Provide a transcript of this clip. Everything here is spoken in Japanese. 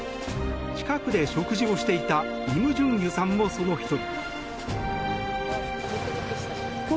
近くで食事をしていたイム・ジュンギュさんもその１人。